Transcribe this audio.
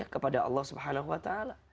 kepada allah swt